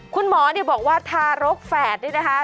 คุณหมอบอกว่าทารกแฝดนี่นะคะ